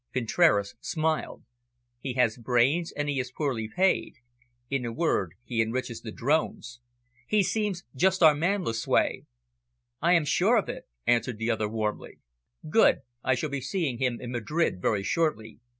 Contraras smiled. "He has brains, and he is poorly paid in a word, he enriches the drones. He seems just our man, Lucue." "I am sure of it," answered the other warmly. "Good! I shall be seeing him in Madrid very shortly.